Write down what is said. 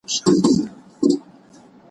او پوره د خپلي میني مدعا کړي